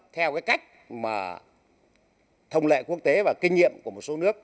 theo cái cách mà thông lệ quốc tế và kinh nghiệm của một số nước